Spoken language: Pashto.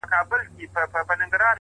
• تر کاڼي کله د بیزو کار وو ,